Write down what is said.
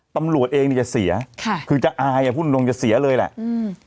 ตำรวจเองเนี่ยจะเสียค่ะคือจะอายอ่ะพูดตรงตรงจะเสียเลยแหละอืม